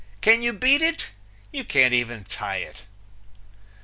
Can you beat it? You can't even tie it.